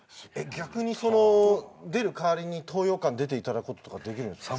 逆にその出る代わりに東洋館出ていただくこととかできる？